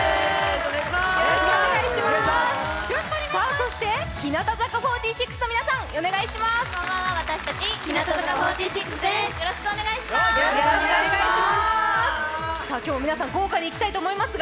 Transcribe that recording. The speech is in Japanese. そして、日向坂４６の皆さん、お願いします！